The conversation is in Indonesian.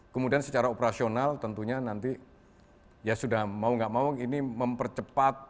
kemudian secara operasional tentunya nanti ya sudah mau nggak mau ini mempercepat